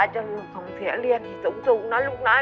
อย่าลูกต้องเสียเรียนอย่างสูงนะลูกนะ